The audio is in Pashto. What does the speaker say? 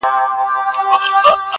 • ځکه چي هیڅ هدف نه لري -